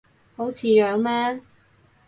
好似樣咩